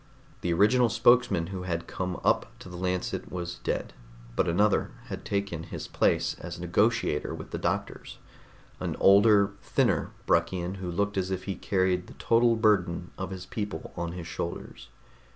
The original spokesman who had come up to the Lancet was dead, but another had taken his place as negotiator with the doctors an older, thinner Bruckian who looked as if he carried the total burden of his people on his shoulders.